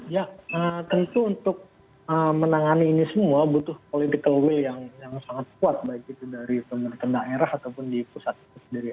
ya tentu untuk menangani ini semua butuh political will yang sangat kuat baik itu dari pemerintah daerah ataupun di pusat itu sendiri